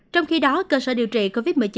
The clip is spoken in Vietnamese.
trong khi đó cơ sở điều trị covid một mươi chín